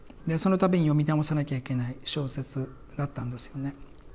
でその度に読み直さなきゃいけない小説だったんですよね。